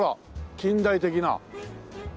近代的な。